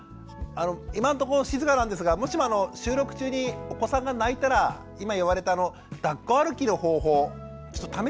今んとこ静かなんですがもしも収録中にお子さんが泣いたら今言われただっこ歩きの方法ちょっと試してみて下さい。